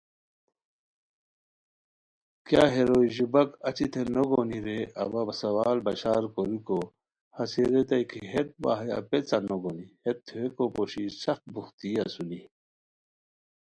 کیہ ہے روئے ژیباک اچی تھے نوگونی رے اوا سوال بشار کوریکو ہسے ریتائے کی ہیت وا ہیہ پیڅہ نو گونی ہیت تھویکو پوشی سخت بوختوئی اسونی